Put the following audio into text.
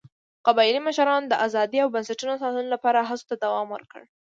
قبایلي مشرانو د ازادۍ او بنسټونو ساتلو لپاره هڅو ته دوام ورکړ.